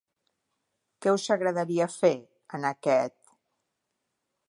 Què us agradaria fer en aquest...?